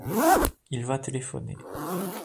Il va téléphoner.